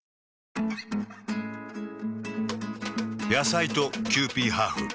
野菜とキユーピーハーフ。